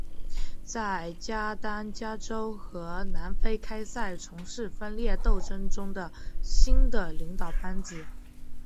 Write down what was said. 在加丹加省和南非开赛从事分裂斗争中的新的领导班子。